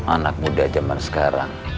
anak muda zaman sekarang